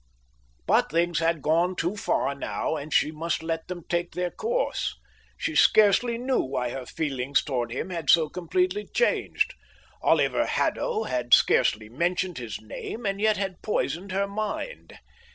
But things had gone too far now, and she must let them take their course. She scarcely knew why her feelings towards him had so completely changed. Oliver Haddo had scarcely mentioned his name and yet had poisoned her mind.